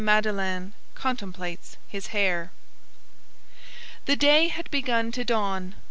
MADELEINE CONTEMPLATES HIS HAIR The day had begun to dawn.